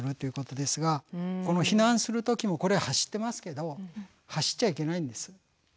この避難する時もこれ走ってますけど走っちゃいけないんです。